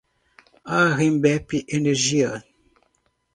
Arembepe Energia